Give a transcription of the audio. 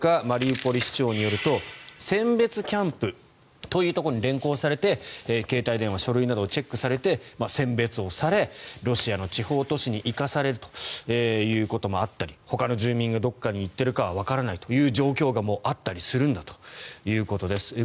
マリウポリ市長によると選別キャンプというところに連行されて携帯電話、書類などをチェックされて選別されロシアの地方都市に行かされるということもあったりほかの住民がどこに行ってるかわからない状況があるということです。